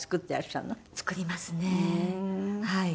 作りますねはい。